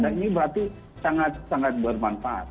dan ini berarti sangat sangat bermanfaat